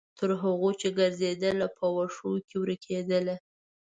تر هغو چې ګرځیدله، په وښو کې ورکیدله